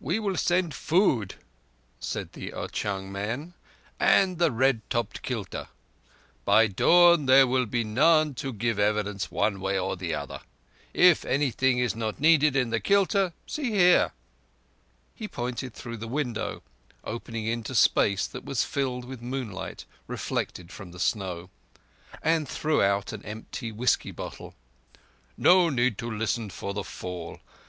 "We will send food," said the Ao chung man, "and the red topped kilta. By dawn there will be none to give evidence, one way or the other. If anything is not needed in the kilta—see here!" He pointed through the window—opening into space that was filled with moonlight reflected from the snow—and threw out an empty whisky bottle. "No need to listen for the fall.